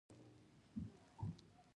هغه یو اغزی په پښه کې ولید.